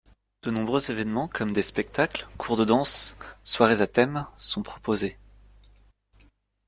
De nombreux événements comme des spectacles, cours de danse, soirées à thème sont proposés.